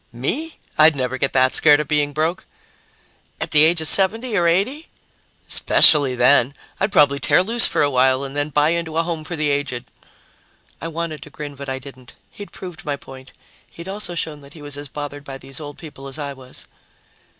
"Me? I'd never get that scared of being broke!" "At the age of 70 or 80?" "Especially then! I'd probably tear loose for a while and then buy into a home for the aged." I wanted to grin, but I didn't. He'd proved my point. He'd also shown that he was as bothered by these old people as I was.